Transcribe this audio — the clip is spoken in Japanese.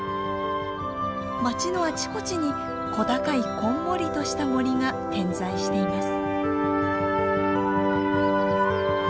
町のあちこちに小高いこんもりとした森が点在しています。